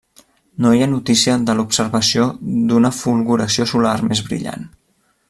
No hi ha notícia de l'observació d'una fulguració solar més brillant.